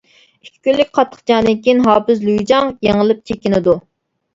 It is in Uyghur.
ئىككى كۈنلۈك قاتتىق جەڭدىن كېيىن ھاپىز لۈيجاڭ يېڭىلىپ چېكىنىدۇ.